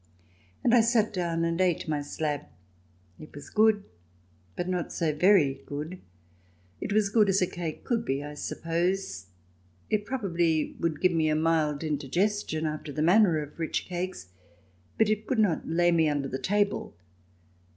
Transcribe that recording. And I sat down and ate my slab. It was good, but not so very good ; it was good as a cake could be, I suppose; it probably would give me a mild indigestion, after the manner of rich cakes, but it would not lay me under the table.